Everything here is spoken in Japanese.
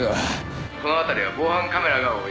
「この辺りは防犯カメラが多い。